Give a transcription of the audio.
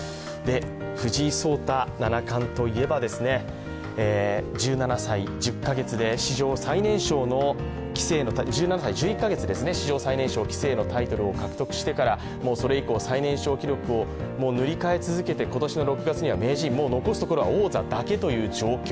藤井聡太七冠といえば１７歳１１か月で史上最年少の棋聖のタイトルを獲得してからそれ以降、最年少記録を塗り替え続けて今年６月には名人、残すところは王座だけという状況。